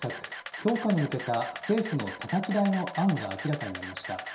強化に向けた政府のたたき台の案が明らかになりました。